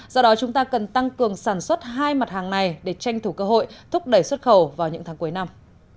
do đó chúng ta cần tăng cường sản xuất hai mặt hàng này để tranh thủ cơ hội thúc đẩy xuất khẩu vào những tháng cuối năm